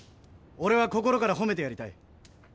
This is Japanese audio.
俺は心から褒めてやりたい。